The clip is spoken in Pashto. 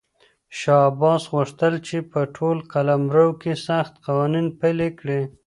شاه عباس غوښتل چې په ټول قلمرو کې سخت قوانین پلي کړي.